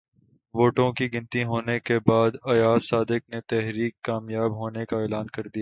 ووٹوں کی گنتی ہونے کے بعد ایاز صادق نے تحریک کامیاب ہونے کا اعلان کر دیا ہے